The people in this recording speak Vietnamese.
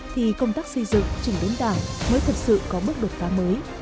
thì công tác xây dựng chỉnh đếm đảng mới thật sự có mức đột phá mới